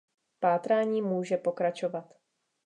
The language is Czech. Pátrání může pokračovat.